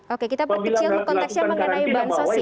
oke kita perkecil konteksnya mengenai pengawasan sosial faisal